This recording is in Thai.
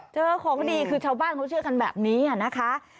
เจอของดีคือชาวบ้านเขาเชื่อกันแบบนี้นะคะ